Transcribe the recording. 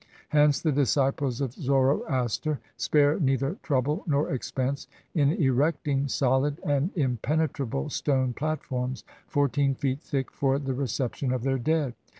Hence the disciples of Zoroaster spare neither trouble nor expense in erecting solid and impenetrable stone platforms fourteen feet thick for the reception of their dead.